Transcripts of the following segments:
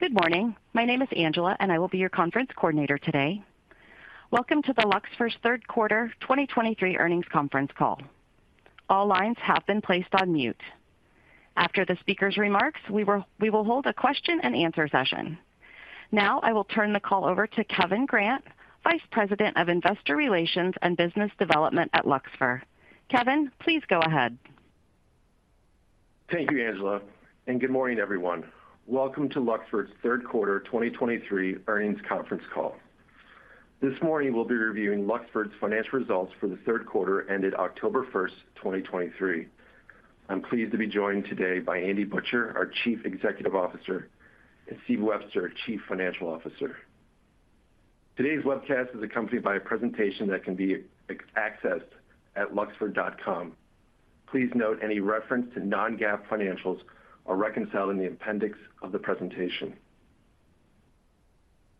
Good morning. My name is Angela, and I will be your conference coordinator today. Welcome to Luxfer's third quarter 2023 earnings conference call. All lines have been placed on mute. After the speaker's remarks, we will hold a question and answer session. Now, I will turn the call over to Kevin Grant, Vice President of Investor Relations and Business Development at Luxfer. Kevin, please go ahead. Thank you, Angela, and good morning, everyone. Welcome to Luxfer's third quarter 2023 earnings conference call. This morning, we'll be reviewing Luxfer's financial results for the third quarter ended October 1st, 2023. I'm pleased to be joined today by Andy Butcher, our Chief Executive Officer; and Steve Webster, Chief Financial Officer. Today's webcast is accompanied by a presentation that can be accessed at luxfer.com. Please note any reference to non-GAAP financials are reconciled in the appendix of the presentation.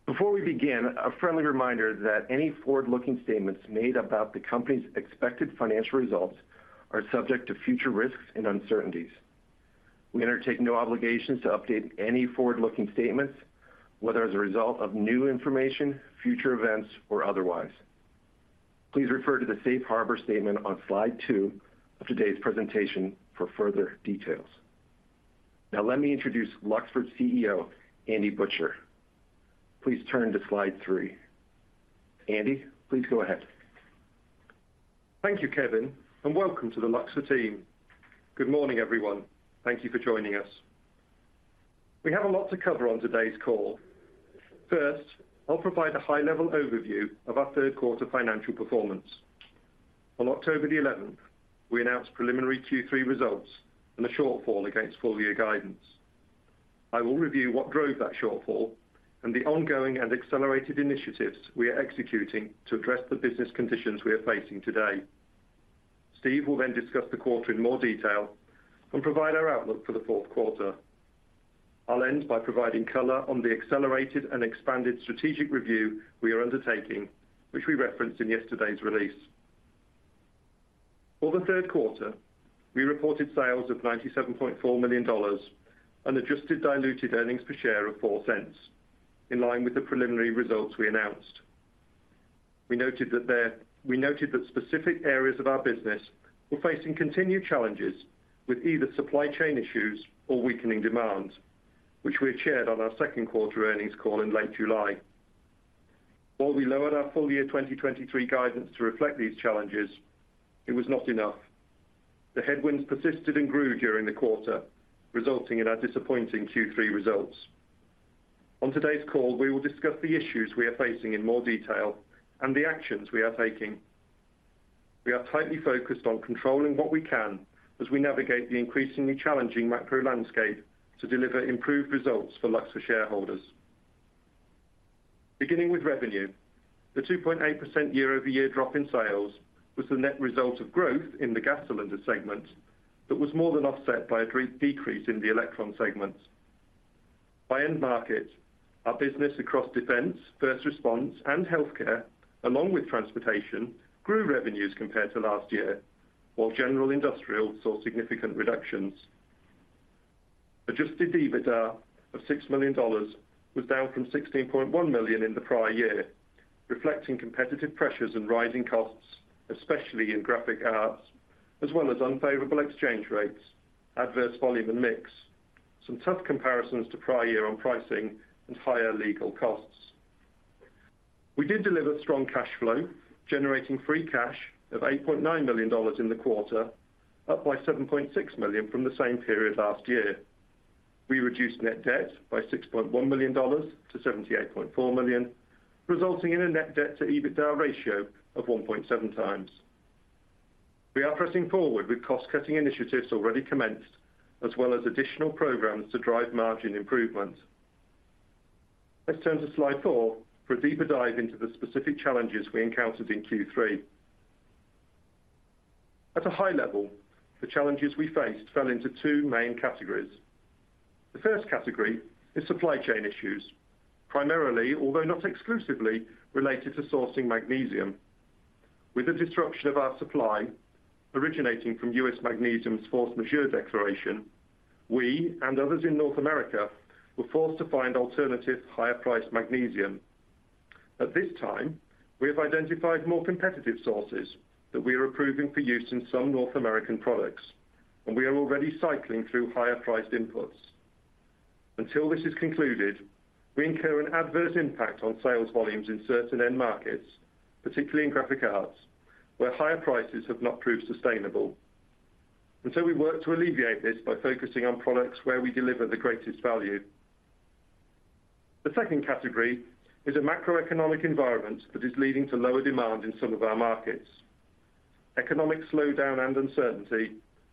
Before we begin, a friendly reminder that any forward-looking statements made about the company's expected financial results are subject to future risks and uncertainties. We undertake no obligations to update any forward-looking statements, whether as a result of new information, future events, or otherwise. Please refer to the safe harbor statement on slide two of today's presentation for further details. Now, let me introduce Luxfer's CEO, Andy Butcher. Please turn to slide three. Andy, please go ahead. Thank you, Kevin, and welcome to the Luxfer team. Good morning, everyone. Thank you for joining us. We have a lot to cover on today's call. First, I'll provide a high-level overview of our third quarter financial performance. On October 11th, we announced preliminary Q3 results and a shortfall against full-year guidance. I will review what drove that shortfall and the ongoing and accelerated initiatives we are executing to address the business conditions we are facing today. Steve will then discuss the quarter in more detail and provide our outlook for the fourth quarter. I'll end by providing color on the accelerated and expanded strategic review we are undertaking, which we referenced in yesterday's release. For the third quarter, we reported sales of $97.4 million and adjusted diluted earnings per share of $0.04, in line with the preliminary results we announced. We noted that specific areas of our business were facing continued challenges with either supply chain issues or weakening demand, which we had shared on our second quarter earnings call in late July. While we lowered our full-year 2023 guidance to reflect these challenges, it was not enough. The headwinds persisted and grew during the quarter, resulting in our disappointing Q3 results. On today's call, we will discuss the issues we are facing in more detail and the actions we are taking. We are tightly focused on controlling what we can as we navigate the increasingly challenging macro landscape to deliver improved results for Luxfer shareholders. Beginning with revenue, the 2.8% year-over-year drop in sales was the net result of growth in the gas cylinder segment, but was more than offset by a decrease in the Elektron segment. By end market, our business across defense, first response, and healthcare, along with transportation, grew revenues compared to last year, while general industrial saw significant reductions. Adjusted EBITDA of $6 million was down from $16.1 million in the prior year, reflecting competitive pressures and rising costs, especially in Graphic Arts, as well as unfavorable exchange rates, adverse volume and mix, some tough comparisons to prior year on pricing and higher legal costs. We did deliver strong cash flow, generating free cash of $8.9 million in the quarter, up by $7.6 million from the same period last year. We reduced net debt by $6.1 million-$78.4 million, resulting in a net debt to EBITDA ratio of 1.7x. We are pressing forward with cost-cutting initiatives already commenced, as well as additional programs to drive margin improvement. Let's turn to slide four for a deeper dive into the specific challenges we encountered in Q3. At a high level, the challenges we faced fell into two main categories. The first category is supply chain issues, primarily, although not exclusively, related to sourcing magnesium. With the disruption of our supply originating from US Magnesium's force majeure declaration, we and others in North America were forced to find alternative, higher-priced magnesium. At this time, we have identified more competitive sources that we are approving for use in some North American products, and we are already cycling through higher-priced inputs. Until this is concluded, we incur an adverse impact on sales volumes in certain end markets, particularly in Graphic Arts, where higher prices have not proved sustainable. So we work to alleviate this by focusing on products where we deliver the greatest value. The second category is a macroeconomic environment that is leading to lower demand in some of our markets. Economic slowdown and uncertainty,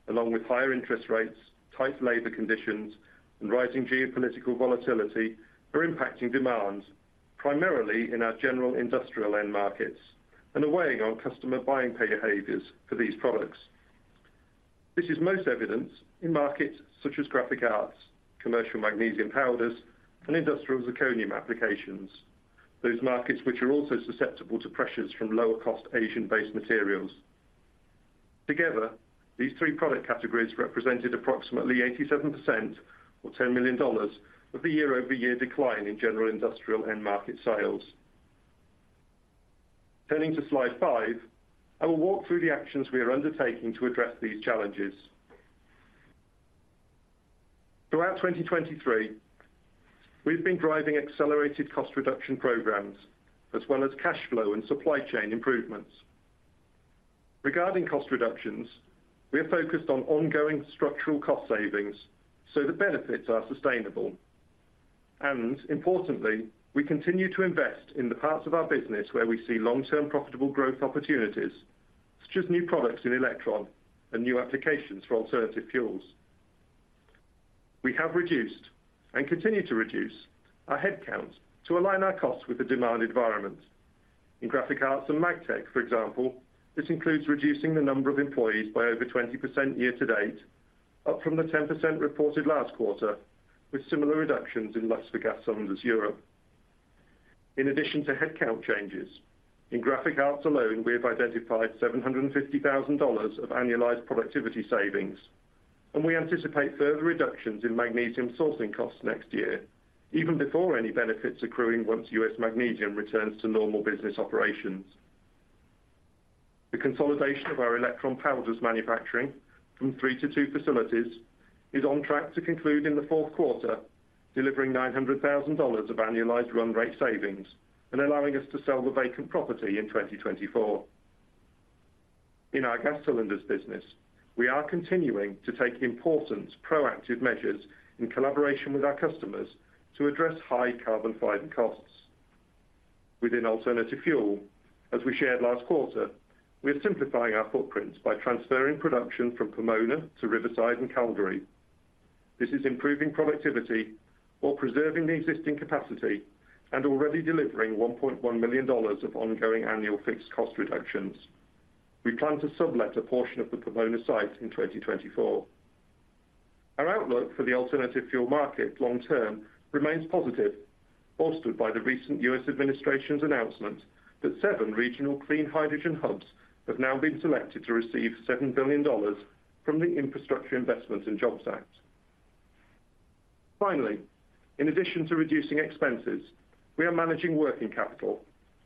along with higher interest rates, tight labor conditions, and rising geopolitical volatility are impacting demand, primarily in our general industrial end markets and are weighing on customer buying behaviors for these products. This is most evident in markets such as Graphic Arts, commercial magnesium powders, and industrial zirconium applications. Those markets which are also susceptible to pressures from lower-cost Asian-based materials. Together, these three product categories represented approximately 87%, or $10 million, of the year-over-year decline in general industrial end market sales. Turning to slide five, I will walk through the actions we are undertaking to address these challenges. Throughout 2023, we've been driving accelerated cost reduction programs, as well as cash flow and supply chain improvements. Regarding cost reductions, we are focused on ongoing structural cost savings, so the benefits are sustainable. And importantly, we continue to invest in the parts of our business where we see long-term profitable growth opportunities, such as new products in Elektron and new applications for alternative fuels. We have reduced, and continue to reduce, our headcount to align our costs with the demand environment. In Graphic Arts and Magtech, for example, this includes reducing the number of employees by over 20% year to date, up from the 10% reported last quarter, with similar reductions in Luxfer Gas Cylinders Europe. In addition to headcount changes, in Graphic Arts alone, we have identified $750,000 of annualized productivity savings, and we anticipate further reductions in magnesium sourcing costs next year, even before any benefits accruing once U.S. Magnesium returns to normal business operations. The consolidation of our Elektron powders manufacturing from three to two facilities is on track to conclude in the fourth quarter, delivering $900,000 of annualized run rate savings and allowing us to sell the vacant property in 2024. In our Gas Cylinders business, we are continuing to take important proactive measures in collaboration with our customers to address high carbon fiber costs. Within Alternative Fuel, as we shared last quarter, we are simplifying our footprints by transferring production from Pomona to Riverside and Calgary. This is improving productivity while preserving the existing capacity and already delivering $1.1 million of ongoing annual fixed cost reductions. We plan to sublet a portion of the Pomona site in 2024. Our outlook for the alternative fuel market long term remains positive, bolstered by the recent U.S. administration's announcement that seven regional clean hydrogen hubs have now been selected to receive $7 billion from the Infrastructure Investments and Jobs Act. Finally, in addition to reducing expenses, we are managing working capital,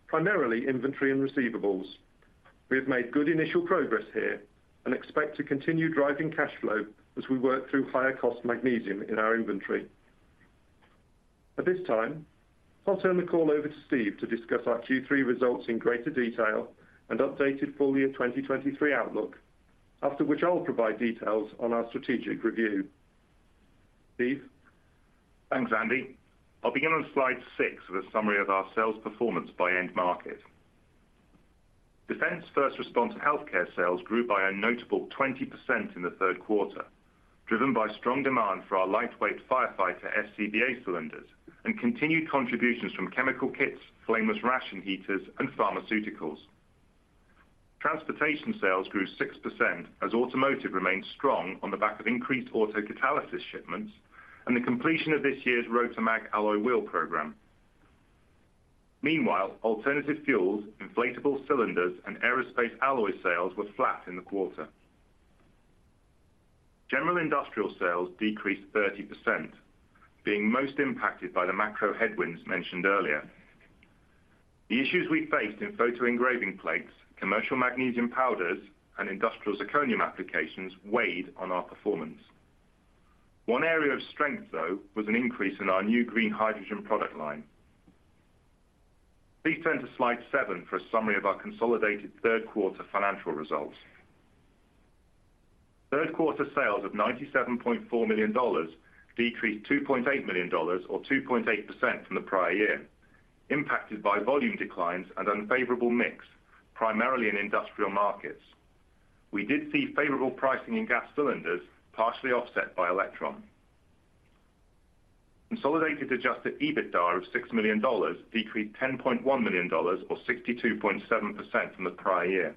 primarily inventory and receivables. We have made good initial progress here and expect to continue driving cash flow as we work through higher cost magnesium in our inventory. At this time, I'll turn the call over to Steve to discuss our Q3 results in greater detail and updated full year 2023 outlook, after which I will provide details on our strategic review. Steve? Thanks, Andy. I'll begin on slide six with a summary of our sales performance by end market. Defense first response healthcare sales grew by a notable 20% in the third quarter, driven by strong demand for our lightweight firefighter SCBA cylinders and continued contributions from chemical kits, Flameless Ration Heaters, and pharmaceuticals. Transportation sales grew 6% as automotive remained strong on the back of increased auto catalysis shipments and the completion of this year's RotaMag alloy wheel program. Meanwhile, alternative fuels, inflatable cylinders, and aerospace alloy sales were flat in the quarter. General industrial sales decreased 30%, being most impacted by the macro headwinds mentioned earlier. The issues we faced in photo engraving plates, commercial magnesium powders, and industrial zirconium applications weighed on our performance. One area of strength, though, was an increase in our new green hydrogen product line. Please turn to slide seven for a summary of our consolidated third quarter financial results. Third quarter sales of $97.4 million decreased $2.8 million or 2.8% from the prior year, impacted by volume declines and unfavorable mix, primarily in industrial markets. We did see favorable pricing in gas cylinders, partially offset by Elektron. Consolidated adjusted EBITDA of $6 million decreased $10.1 million or 62.7% from the prior year.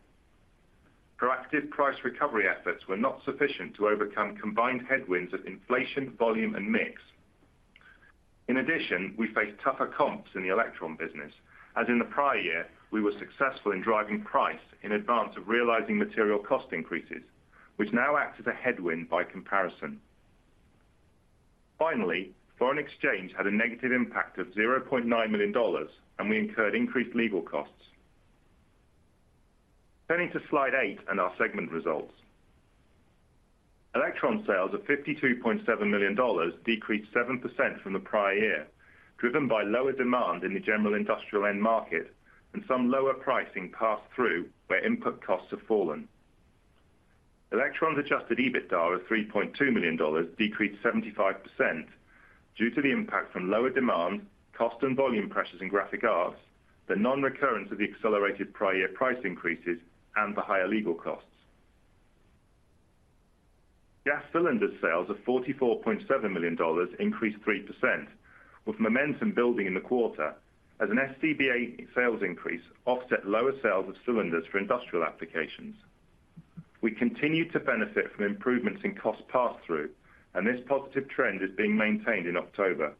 Proactive price recovery efforts were not sufficient to overcome combined headwinds of inflation, volume and mix. In addition, we faced tougher comps in the Elektron business, as in the prior year, we were successful in driving price in advance of realizing material cost increases, which now acts as a headwind by comparison. Finally, foreign exchange had a negative impact of $0.9 million, and we incurred increased legal costs. Turning to slide eight and our segment results. Elektron sales of $52.7 million decreased 7% from the prior year, driven by lower demand in the general industrial end market and some lower pricing passed through, where input costs have fallen. Elektron's Adjusted EBITDA of $3.2 million decreased 75% due to the impact from lower demand, cost and volume pressures in Graphic Arts, the non-recurrence of the accelerated prior year price increases, and the higher legal costs. Gas Cylinders sales of $44.7 million increased 3%, with momentum building in the quarter as an SCBA sales increase offset lower sales of cylinders for industrial applications. We continued to benefit from improvements in cost pass-through, and this positive trend is being maintained in October.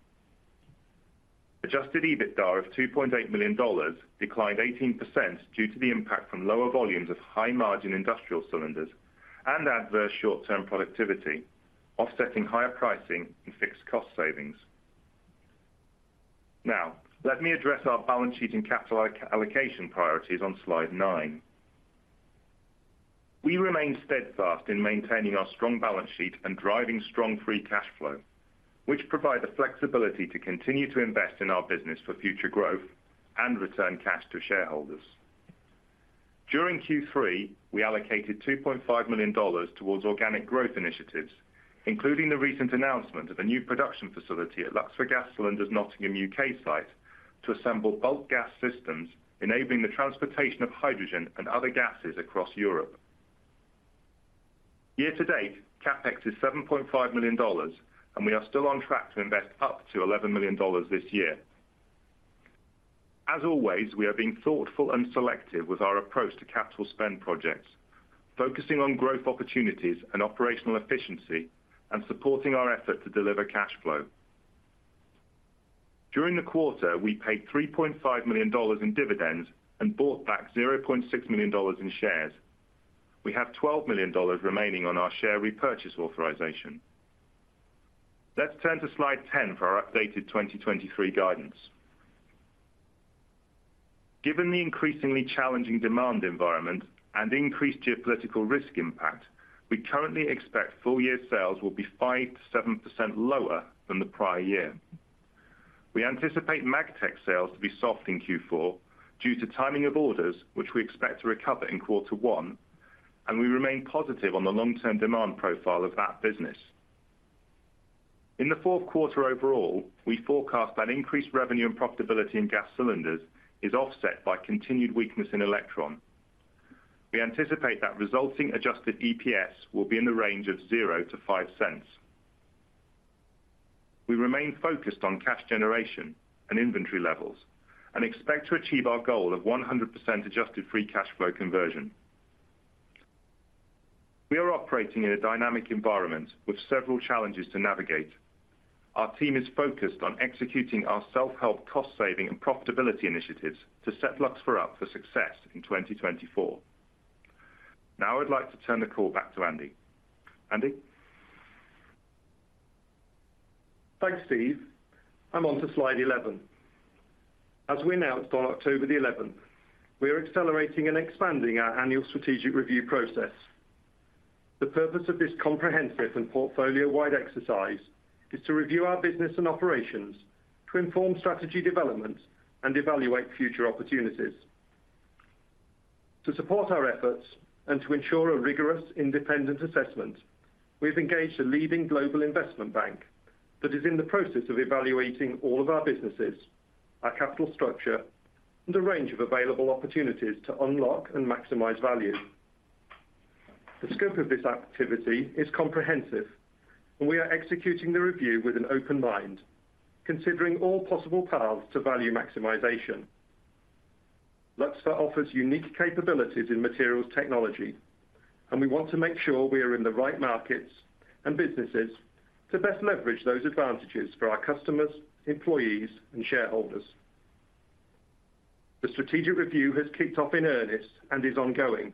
Adjusted EBITDA of $2.8 million declined 18% due to the impact from lower volumes of high-margin industrial cylinders and adverse short-term productivity, offsetting higher pricing and fixed cost savings. Now, let me address our balance sheet and capital allocation priorities on slide nine. We remain steadfast in maintaining our strong balance sheet and driving strong Free Cash Flow, which provides the flexibility to continue to invest in our business for future growth and return cash to shareholders. During Q3, we allocated $2.5 million towards organic growth initiatives, including the recent announcement of a new production facility at Luxfer Gas Cylinders, Nottingham, U.K. site, to assemble bulk gas systems, enabling the transportation of hydrogen and other gases across Europe. Year to date, CapEx is $7.5 million, and we are still on track to invest up to $11 million this year. As always, we are being thoughtful and selective with our approach to capital spend projects, focusing on growth opportunities and operational efficiency and supporting our effort to deliver cash flow. During the quarter, we paid $3.5 million in dividends and bought back $0.6 million in shares. We have $12 million remaining on our share repurchase authorization. Let's turn to slide 10 for our updated 2023 guidance. Given the increasingly challenging demand environment and increased geopolitical risk impact, we currently expect full year sales will be 5%-7% lower than the prior year. We anticipate Magtech sales to be soft in Q4 due to timing of orders, which we expect to recover in quarter one, and we remain positive on the long-term demand profile of that business. In the fourth quarter overall, we forecast that increased revenue and profitability in gas cylinders is offset by continued weakness in Elektron. We anticipate that resulting adjusted EPS will be in the range of $0.00-$0.05. We remain focused on cash generation and inventory levels and expect to achieve our goal of 100% adjusted free cash flow conversion. We are operating in a dynamic environment with several challenges to navigate. Our team is focused on executing our self-help cost saving and profitability initiatives to set Luxfer up for success in 2024. Now I'd like to turn the call back to Andy. Andy? Thanks, Steve. I'm on to slide 11. As we announced on October 11th, we are accelerating and expanding our annual strategic review process. The purpose of this comprehensive and portfolio-wide exercise is to review our business and operations, to inform strategy development and evaluate future opportunities. To support our efforts and to ensure a rigorous, independent assessment, we've engaged a leading global investment bank that is in the process of evaluating all of our businesses, our capital structure, and a range of available opportunities to unlock and maximize value. The scope of this activity is comprehensive, and we are executing the review with an open mind, considering all possible paths to value maximization. Luxfer offers unique capabilities in materials technology, and we want to make sure we are in the right markets and businesses to best leverage those advantages for our customers, employees, and shareholders. The strategic review has kicked off in earnest and is ongoing.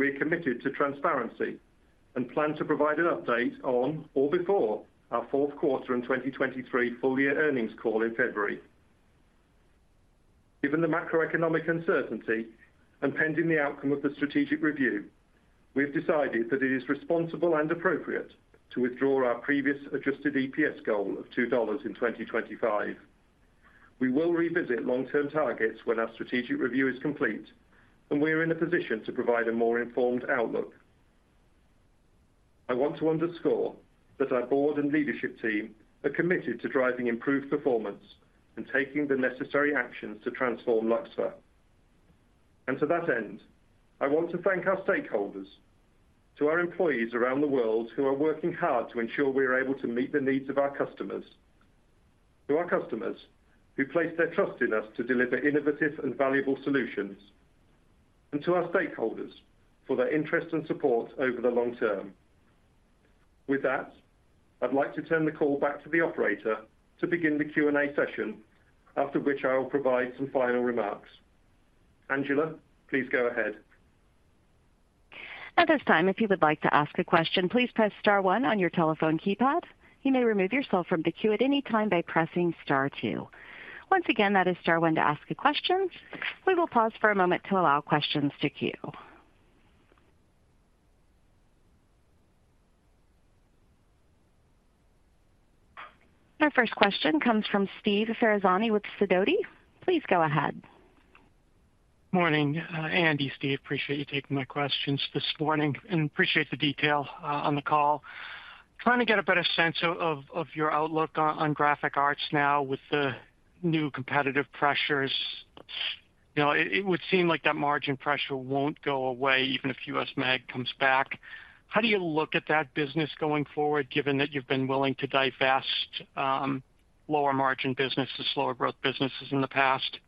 We are committed to transparency and plan to provide an update on or before our fourth quarter in 2023 full year earnings call in February. Given the macroeconomic uncertainty and pending the outcome of the strategic review, we've decided that it is responsible and appropriate to withdraw our previous Adjusted EPS goal of $2 in 2025. We will revisit long-term targets when our strategic review is complete, and we are in a position to provide a more informed outlook. I want to underscore that our board and leadership team are committed to driving improved performance and taking the necessary actions to transform Luxfer. To that end, I want to thank our stakeholders, to our employees around the world who are working hard to ensure we are able to meet the needs of our customers, to our customers, who place their trust in us to deliver innovative and valuable solutions, and to our stakeholders for their interest and support over the long term. With that, I'd like to turn the call back to the operator to begin the Q&A session, after which I will provide some final remarks. Angela, please go ahead. At this time, if you would like to ask a question, please press star one on your telephone keypad. You may remove yourself from the queue at any time by pressing star two. Once again, that is star one to ask a question. We will pause for a moment to allow questions to queue. Our first question comes from Steve Ferazani with Sidoti. Please go ahead. Morning, Andy, Steve. Appreciate you taking my questions this morning and appreciate the detail on the call. Trying to get a better sense of your outlook on Graphic Arts now with the new competitive pressures. You know, it would seem like that margin pressure won't go away even if U.S. Magnesium comes back. How do you look at that business going forward, given that you've been willing to divest lower margin business to slower growth businesses in the past?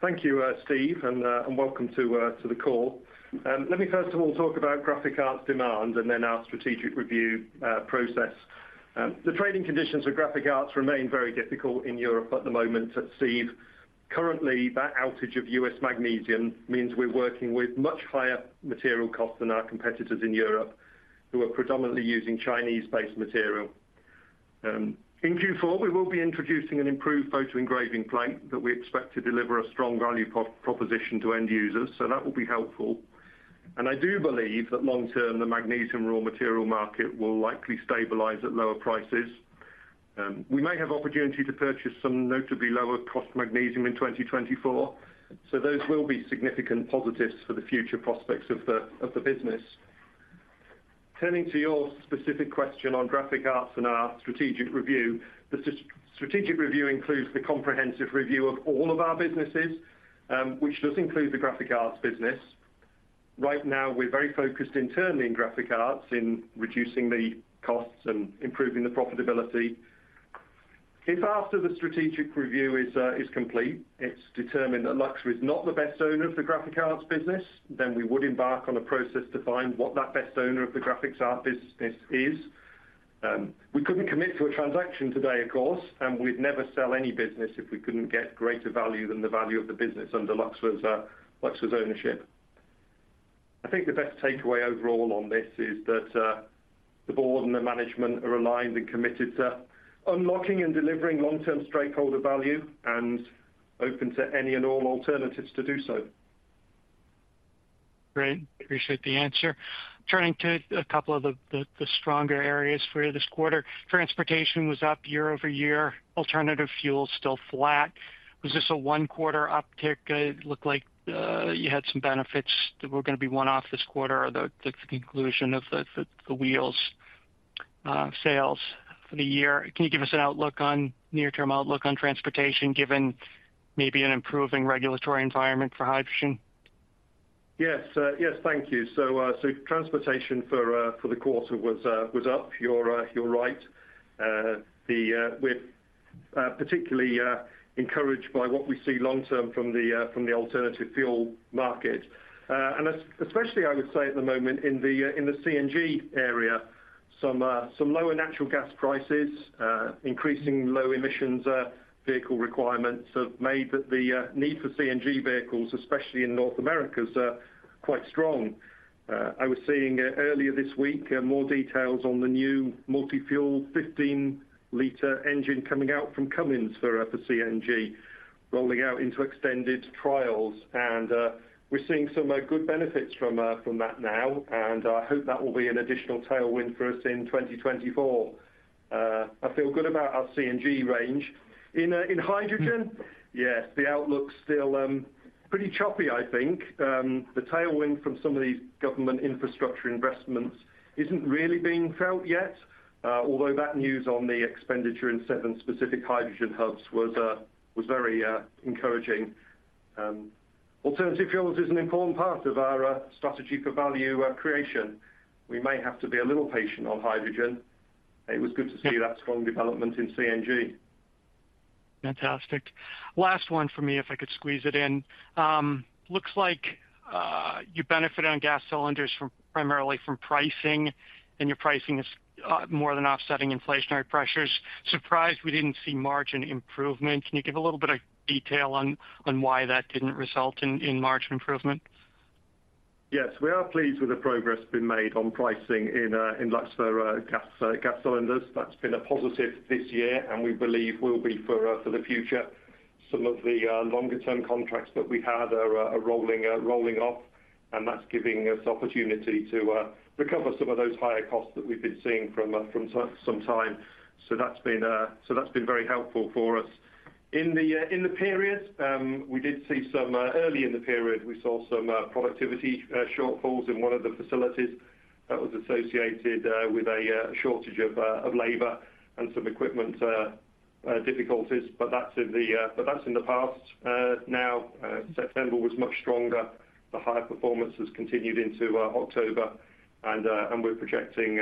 Thank you, Steve, and welcome to the call. Let me first of all talk about Graphic Arts demand and then our strategic review process. The trading conditions for Graphic Arts remain very difficult in Europe at the moment, Steve. Currently, that outage of U.S. Magnesium means we're working with much higher material costs than our competitors in Europe, who are predominantly using Chinese-based material. In Q4, we will be introducing an improved photo engraving plate that we expect to deliver a strong value proposition to end users, so that will be helpful. And I do believe that long term, the magnesium raw material market will likely stabilize at lower prices. We may have opportunity to purchase some notably lower cost magnesium in 2024, so those will be significant positives for the future prospects of the, of the business. Turning to your specific question on Graphic Arts and our strategic review, the strategic review includes the comprehensive review of all of our businesses, which does include the Graphic Arts business. Right now, we're very focused internally in Graphic Arts, in reducing the costs and improving the profitability. If after the strategic review is, is complete, it's determined that Luxfer is not the best owner of the Graphic Arts business, then we would embark on a process to find what that best owner of the Graphic Arts business is. We couldn't commit to a transaction today, of course, and we'd never sell any business if we couldn't get greater value than the value of the business under Luxfer's, Luxfer's ownership. I think the best takeaway overall on this is that, the board and the management are aligned and committed to unlocking and delivering long-term stakeholder value and open to any and all alternatives to do so. Great, appreciate the answer. Turning to a couple of the stronger areas for you this quarter. Transportation was up year-over-year, alternative fuel still flat. Was this a one-quarter uptick? It looked like you had some benefits that were gonna be one-off this quarter or the wheels sales for the year. Can you give us an outlook on near-term outlook on transportation, given maybe an improving regulatory environment for hydrogen? Yes. Yes, thank you. So, transportation for the quarter was up. You're right. We're particularly encouraged by what we see long term from the alternative fuel market. And especially I would say at the moment in the CNG area, some lower natural gas prices, increasing low emissions vehicle requirements have made the need for CNG vehicles, especially in North America, quite strong. I was seeing earlier this week more details on the new multi-fuel 15-liter engine coming out from Cummins for the CNG, rolling out into extended trials. And we're seeing some good benefits from that now, and I hope that will be an additional tailwind for us in 2024. I feel good about our CNG range. In hydrogen, yes, the outlook's still pretty choppy, I think. The tailwind from some of these government infrastructure investments isn't really being felt yet. Although that news on the expenditure in 7 specific hydrogen hubs was very encouraging. Alternative fuels is an important part of our strategy for value creation. We may have to be a little patient on hydrogen. It was good to see that strong development in CNG. Fantastic. Last one for me, if I could squeeze it in. Looks like you benefited on gas cylinders from primarily pricing, and your pricing is more than offsetting inflationary pressures. Surprised we didn't see margin improvement. Can you give a little bit of detail on why that didn't result in margin improvement? Yes, we are pleased with the progress been made on pricing in Luxfer Gas Cylinders. That's been a positive this year, and we believe will be for the future. Some of the longer term contracts that we had are rolling off, and that's giving us opportunity to recover some of those higher costs that we've been seeing from some time. So that's been very helpful for us. In the period, early in the period, we saw some productivity shortfalls in one of the facilities that was associated with a shortage of labor and some equipment difficulties, but that's in the past. Now, September was much stronger. The high performance has continued into October, and we're projecting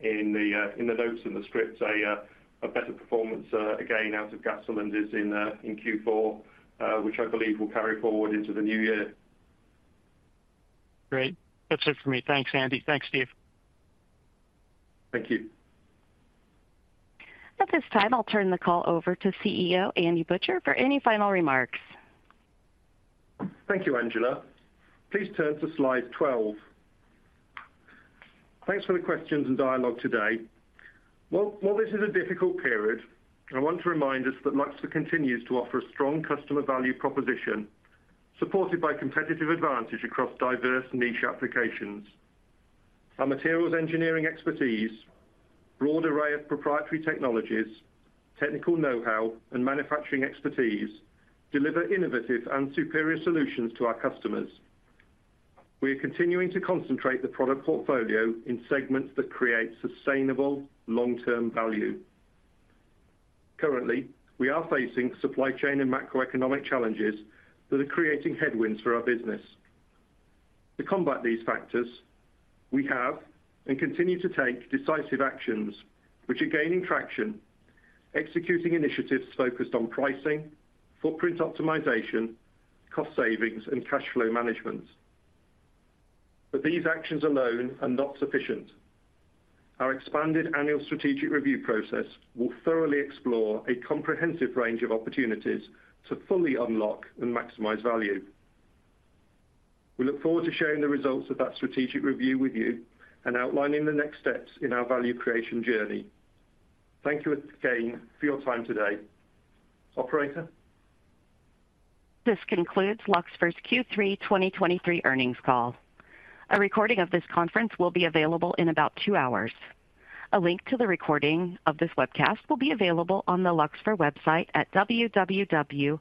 in the notes and the scripts a better performance again out of gas cylinders in Q4, which I believe will carry forward into the new year. Great. That's it for me. Thanks, Andy. Thanks, Steve. Thank you. At this time, I'll turn the call over to CEO, Andy Butcher, for any final remarks. Thank you, Angela. Please turn to slide 12. Thanks for the questions and dialogue today. Well, while this is a difficult period, I want to remind us that Luxfer continues to offer a strong customer value proposition, supported by competitive advantage across diverse niche applications. Our materials engineering expertise, broad array of proprietary technologies, technical know-how, and manufacturing expertise deliver innovative and superior solutions to our customers. We are continuing to concentrate the product portfolio in segments that create sustainable long-term value. Currently, we are facing supply chain and macroeconomic challenges that are creating headwinds for our business. To combat these factors, we have and continue to take decisive actions which are gaining traction, executing initiatives focused on pricing, footprint optimization, cost savings, and cash flow management. But these actions alone are not sufficient. Our expanded annual strategic review process will thoroughly explore a comprehensive range of opportunities to fully unlock and maximize value. We look forward to sharing the results of that strategic review with you and outlining the next steps in our value creation journey. Thank you again for your time today. Operator? This concludes Luxfer's Q3 2023 earnings call. A recording of this conference will be available in about two hours. A link to the recording of this webcast will be available on the Luxfer website at www.luxfer.com.